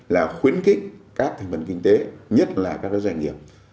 là khuyến khích các thịnh vận kinh tế nhất là các doanh nghiệp